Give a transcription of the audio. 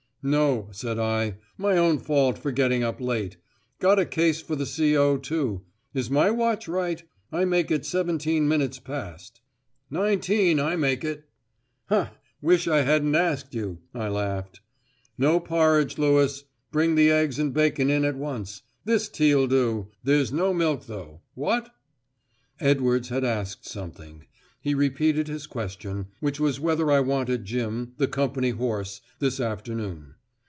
"No," said I. "My own fault for getting up late. Got a case for the C.O. too. Is my watch right? I make it seventeen minutes past." "Nineteen, I make it." "Wish I hadn't asked you," I laughed. "No porridge, Lewis. Bring the eggs and bacon in at once. This tea'll do. There's no milk, though. What?" Edwards had asked something. He repeated his question, which was whether I wanted Jim, the company horse, this afternoon.